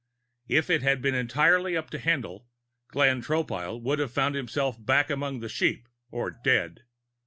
If it had been entirely up to Haendl, Glenn Tropile would have found himself back among the sheep or dead.